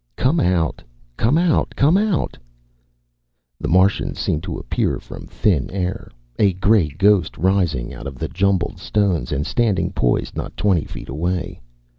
_Come out, come out, come out _ The Martian seemed to appear from thin air, a gray ghost rising out of the jumbled stones and standing poised not twenty feet away.